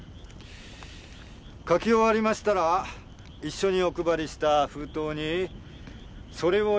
書き終わりましたら一緒にお配りした封筒にそれを入れて封をしてください。